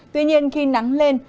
tuy nhiên khi nắng lên